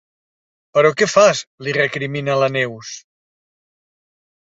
Però què fas? —li recrimina la Neus—.